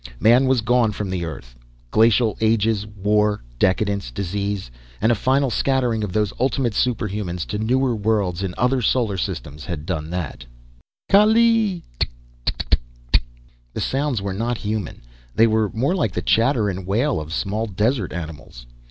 Man was gone from the Earth. Glacial ages, war, decadence, disease, and a final scattering of those ultimate superhumans to newer worlds in other solar systems, had done that. "Kaalleee!... Tik, tik, tik!..." The sounds were not human. They were more like the chatter and wail of small desert animals.